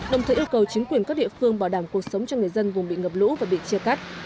đồng thời yêu cầu chính quyền các địa phương bảo đảm cuộc sống cho người dân vùng bị ngập lũ và bị chia cắt